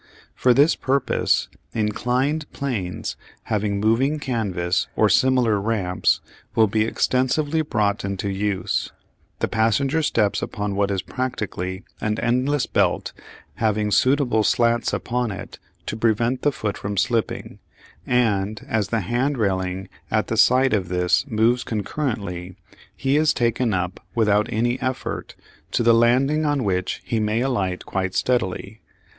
For this purpose, inclined planes having moving canvas or similar ramps will be extensively brought into use. The passenger steps upon what is practically an endless belt having suitable slats upon it to prevent his foot from slipping, and, as the hand railing at the side of this moves concurrently, he is taken up, without any effort, to the landing on which he may alight quite steadily.